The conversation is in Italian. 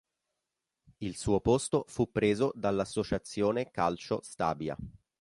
Il suo posto fu preso dall'Associazione Calcio Stabia.